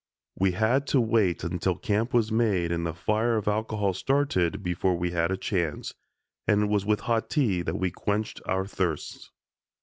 We had to wait until camp was made and the fire of alcohol started before we had a chance, and it was with hot tea that we quenched our thirsts.